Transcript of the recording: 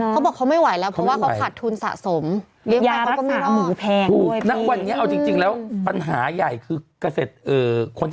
เขาบอกเขาไม่ไหวแล้วเพราะว่าเขาขาดทุนสะสม